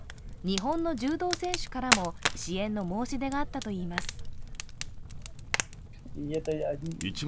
日本の柔道選手からも支援の申し出があったといいます。